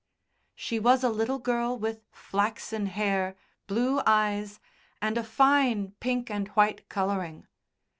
She was a little girl with flaxen hair, blue eyes, and a fine pink and white colouring.